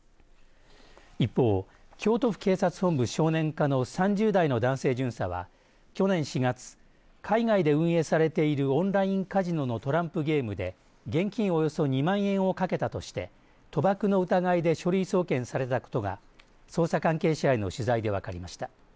一方、京都府警察本部少年課の３０代の男性巡査は去年４月、海外で運営されているオンラインカジノのトランプゲームで現金およそ２万円をかけたとして賭博の疑いで書類送検されたことが捜査関係者への取材で分かりました。